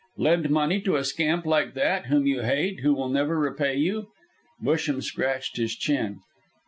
"Lend money to a scamp like that, whom you hate, who will never repay you?" Busham scratched his chin.